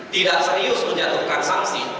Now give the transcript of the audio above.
tidak serius menjatuhkan sanksi